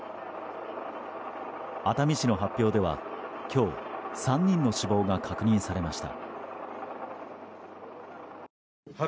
熱海市の発表では、今日３人の死亡が確認されました。